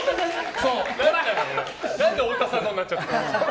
何で太田さんのになっちゃってるんだ。